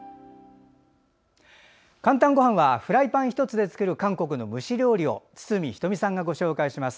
「かんたんごはん」はフライパン１つで作る韓国の蒸し料理を堤人美さんがご紹介します。